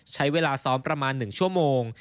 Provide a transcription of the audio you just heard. ใช้เวลาซ้อมประมาณ๑ชั่วโมง